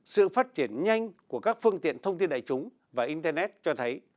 sự phát triển nhanh của các phương tiện thông tin đại chúng và internet cho thấy